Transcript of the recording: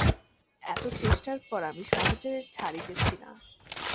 এত চেষ্টার পর আমি সহজে ছাড়িতেছি না।